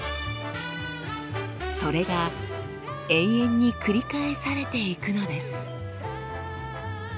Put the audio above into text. それが永遠に繰り返されていくのです。